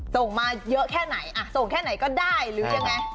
ส่งมาเยอะแค่ไหนส่งแค่ไหนก็ได้หรือยังไง